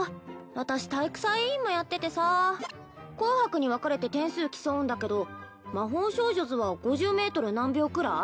私体育祭委員もやっててさ紅白に分かれて点数競うんだけど魔法少女ズは５０メートル何秒くらい？